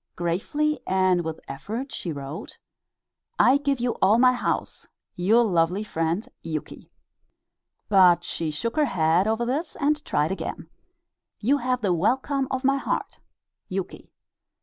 Gravely and with effort she wrote: "I give you all my house. Your lovely friend, Yuki." But she shook her head over this and tried again: "You have the welcome of my heart. Yuki."